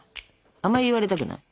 あんまり言われたくない？